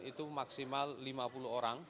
itu maksimal lima puluh orang